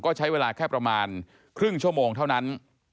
ก็ใช้เวลาแค่ประมาณครึ่งชั่วโมงเท่านั้น